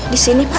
di sini pak